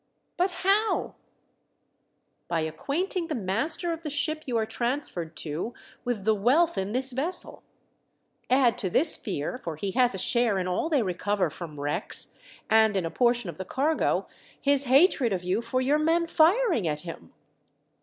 " But how r " By acquainting the master of the ship you are transferred to vvith the wealth in this vessel Add to this fear — for he has a share in aii they recover from v/recks, and in a 240 THE DEATH SHIP, portion of the cargo — his hatred of you for your men firing at him."